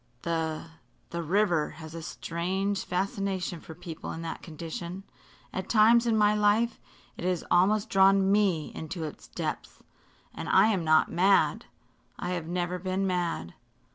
The the river has a strange fascination for people in that condition. At times in my life it has almost drawn me into its depths and I am not mad. I have never been mad."